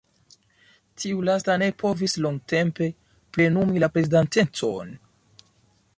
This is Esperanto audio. Tiu lasta ne povis longtempe plenumi la prezidantecon.